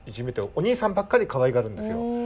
お兄さんばっかりかわいがるんですよ。